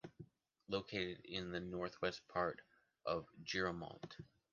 Located in the northwest part of Giraumont.